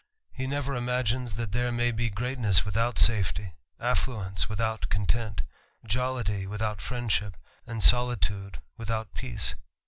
He never imagines that there may be greatness without saifety , afRuence without content, jollity without friendship, tsjdejfithoul pracc.